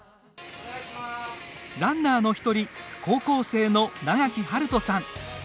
ランナーの１人、高校生の長木晴都さん。